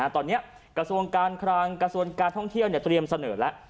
ตอนนี้กระทรวงการคลังกระทรวงการท่องเที่ยวเตรียมเสนอแล้ว